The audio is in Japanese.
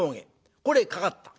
これへかかった。